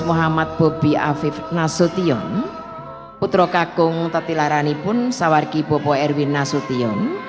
muhammad bobby afif nasution putra kakung tetilarani pun sawar ki popo erwin nasution